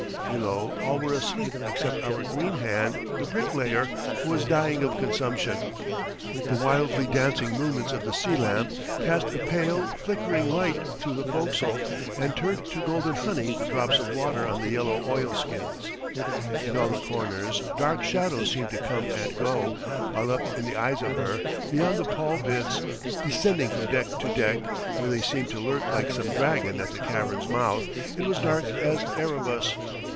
Below all were asleep except our green hand, the "bricklayer," who was dying of consumption. The wildly dancing movements of the sea lamp cast a pale, flickering light through the fo'castle and turned to golden honey the drops of water on the yellow oilskins. In all the corners dark shadows seemed to come and go, while up in the eyes of her, beyond the pall bits, descending from deck to deck, where they seemed to lurk like some dragon at the cavern's mouth, it was dark as Erebus.